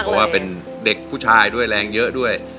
เพราะว่าเป็นเด็กผู้ชายด้วยแรงเยอะด้วย